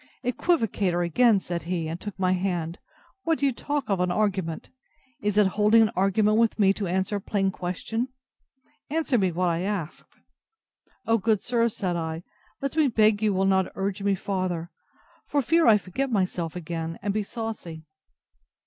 Equivocator, again! said he, and took my hand, what do you talk of an argument? Is it holding an argument with me to answer a plain question? Answer me what I asked. O, good sir, said I, let me beg you will not urge me farther, for fear I forget myself again, and be saucy.